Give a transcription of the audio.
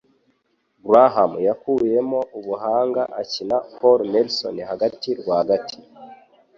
Graham yakuyemo ubuhanga akina Paul Merson hagati rwagati